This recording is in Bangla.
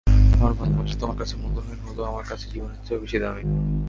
আমার ভালোবাসা তোমার কাছে মূল্যহীন হলেও আমার কাছে জীবনের চেয়েও বেশি দামি।